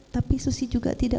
tapi susi juga tidak